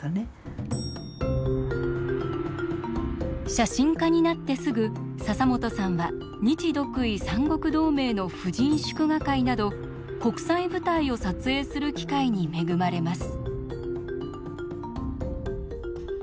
写真家になってすぐ笹本さんは日独伊三国同盟の婦人祝賀会など国際舞台を撮影する機会に恵まれます。